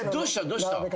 どうした？